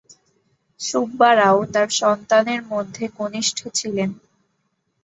সুব্বা রাও তার সন্তানের মধ্যে কনিষ্ঠ ছিলেন।